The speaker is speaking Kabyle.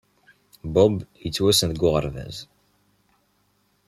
Bob yettwassen deg uɣerbaz.